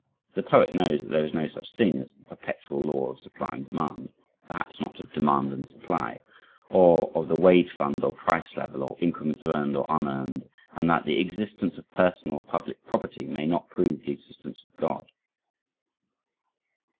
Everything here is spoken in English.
The poet knows that there is no such thing as the perpetual law of supply and demand, perhaps not of demand and supply or of the wage fund, or price level, or increments earned or unearned; and that the existence of personal or public property may not prove the existence of God.